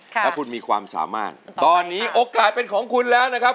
ถ้าคุณมีความสามารถตอนนี้โอกาสเป็นของคุณแล้วนะครับ